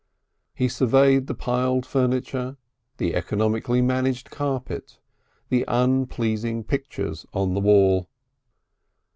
He surveyed the piled furniture, the economically managed carpet, the unpleasing pictures on the wall.